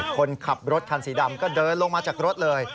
คนขับรถคันสีดำก็เดินลงมาจากรถเลย